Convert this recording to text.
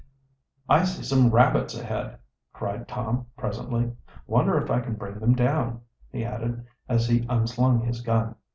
"I see some rabbits ahead!" cried Tom presently. "Wonder if I can bring them down," he added, as he unslung his gun.